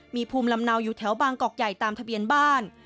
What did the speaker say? มีภูมิลำเนาอยู่แถวบางกอกใหญ่ตามทะเบียนบ้าน